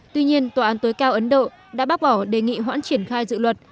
tuy nhiên tòa án tối cao ấn độ đã bác bỏ đề nghị hoãn triển khai dự luật